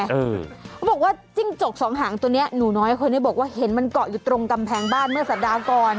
เขาบอกว่าจิ้งจกสองหางตัวนี้หนูน้อยคนนี้บอกว่าเห็นมันเกาะอยู่ตรงกำแพงบ้านเมื่อสัปดาห์ก่อน